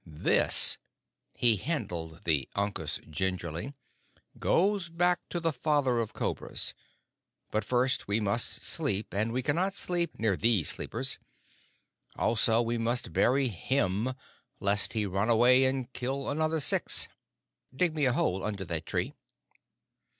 This" he handled the ankus gingerly "goes back to the Father of Cobras. But first we must sleep, and we cannot sleep near these sleepers. Also we must bury him, lest he run away and kill another six. Dig me a hole under that tree."